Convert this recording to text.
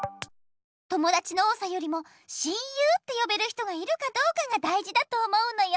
ともだちの多さよりも親友ってよべる人がいるかどうかがだいじだと思うのよ。